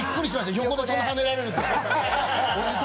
横でそんなに跳ねられると。